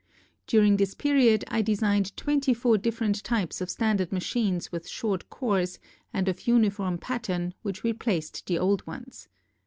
Dur ing this period I designed twenty four different types of standard machines with short cores and of uniform pattern which replaced the old ones.